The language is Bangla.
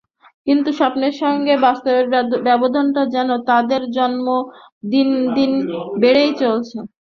কিন্তু স্বপ্নের সঙ্গে বাস্তবের ব্যবধানটা যেন তাঁদের জন্য দিন দিন বেড়েই চলেছে।